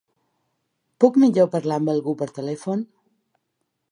Puc millor parlar amb algú per telèfon?